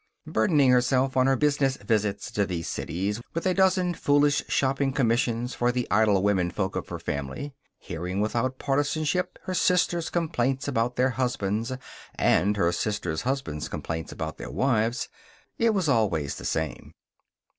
Burdening herself, on her business visits to these cities, with a dozen foolish shopping commissions for the idle womenfolk of her family. Hearing without partisanship her sisters' complaints about their husbands, and her sisters' husbands' complaints about their wives. It was always the same.